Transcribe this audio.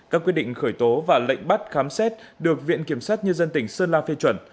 các quyết định khởi tố và lệnh bắt khám xét được viện kiểm sát nhân dân tỉnh sơn la phê chuẩn